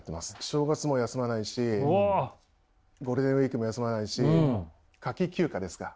正月も休まないしゴールデンウイークも休まないし夏季休暇ですか？